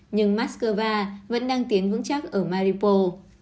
nhưng moskova vẫn đang tiến vững chắc ở maripos